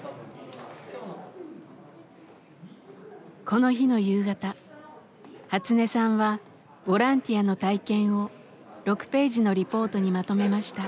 この日の夕方ハツネさんはボランティアの体験を６ページのリポートにまとめました。